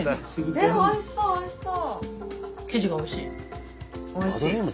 えおいしそうおいしそう！